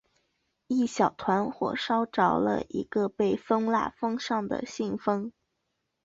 一小团火烧着了一个被封蜡封上的信封。